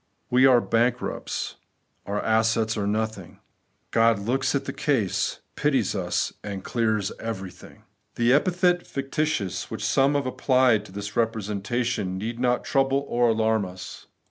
We are bankrupts ; our assets are nothing ; God looks at the case, pities us, and clears everything. The epithet ' fictitious ' which some have applied to this representation need not trouble or alarm us.